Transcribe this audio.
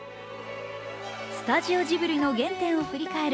スタジオジブリの原点を振り返る